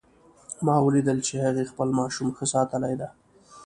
ما ولیدل چې هغې خپل ماشوم ښه ساتلی ده